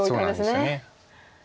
そうなんです。